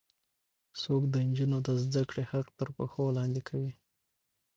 څوک د نجونو د زده کړې حق تر پښو لاندې کوي؟